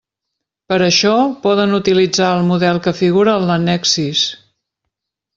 Per a això, poden utilitzar el model que figura en l'annex sis.